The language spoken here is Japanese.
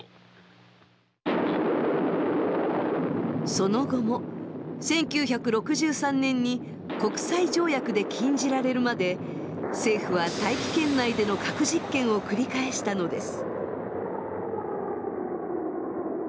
その後も１９６３年に国際条約で禁じられるまで政府は大気圏内での核実験を繰り返したのです。